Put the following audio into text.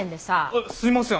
あすいません